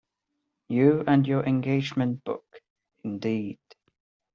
You and your engagement book, indeed.